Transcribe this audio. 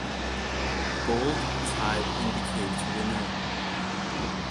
Bold type indicates winner.